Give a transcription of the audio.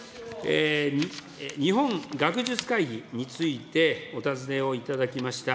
日本学術会議についてお尋ねをいただきました。